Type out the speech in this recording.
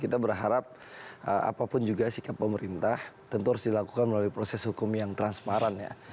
kita berharap apapun juga sikap pemerintah tentu harus dilakukan melalui proses hukum yang transparan ya